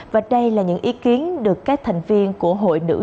và đây là những ý kiến được các thành viên của hội chủ tịch